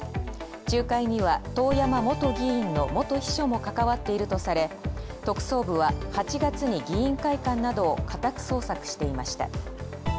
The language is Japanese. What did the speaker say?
仲介には、遠山元議員の元秘書も関わっているとされ、特捜部は８月に議員会館などを家宅捜索していました。